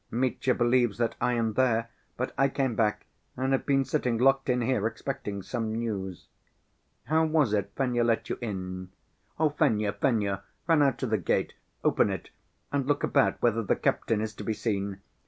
Mitya believes that I am there, but I came back and have been sitting locked in here, expecting some news. How was it Fenya let you in? Fenya, Fenya, run out to the gate, open it and look about whether the captain is to be seen!